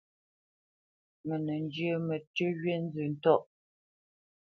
Mə nə́ njyə mətʉ́ wí nzə ntɔ̂ʼ.